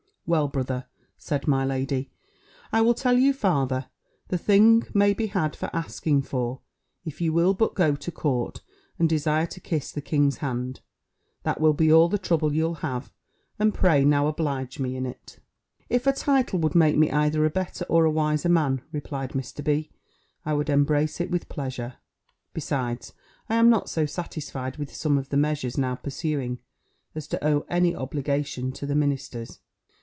"Well, brother," said my lady, "I will tell you farther, the thing may be had for asking for; if you will but go to court, and desire to kiss the king's hand, that will be all the trouble you'll have: and pray now oblige me in it." "If a title would make me either a better or a wiser man," replied Mr. B., "I would embrace it with pleasure. Besides, I am not so satisfied with some of the measures now pursuing, as to owe any obligation to the ministers.